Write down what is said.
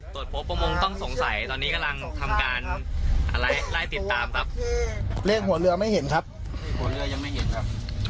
ตรวจพบประมงต้องสงสัยตอนนี้กำลังทำการอะไรไล่ติดตามครับเลขหัวเรือไม่เห็นครับเลขหัวเรือยังไม่เห็นครับ